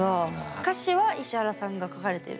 歌詞は石原さんが書かれてる。